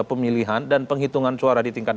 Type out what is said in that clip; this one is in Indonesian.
pemilihan dan penghitungan suara di tingkat